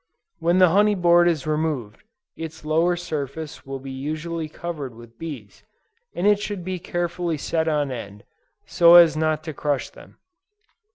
When the honey board is removed, its lower surface will be usually covered with bees, and it should be carefully set on end, so as not to crush them.